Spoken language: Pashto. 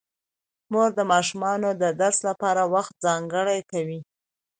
مور د ماشومانو د درس لپاره وخت ځانګړی کوي